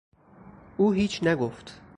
او هیچ نگفت.